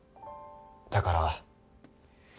だから。